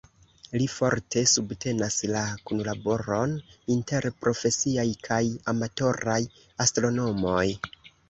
Li forte subtenas la kunlaboron inter profesiaj kaj amatoraj astronomoj.